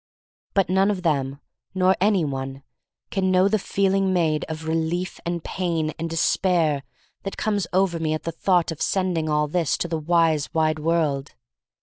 But none of them, nor any one, can know the feeling made of relief and pain and despair that comes over me at the thought of sending all this to the wise wide world.